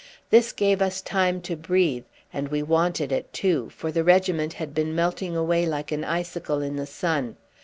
This gave us time to breathe, and we wanted it too, for the regiment had been melting away like an icicle in the sun.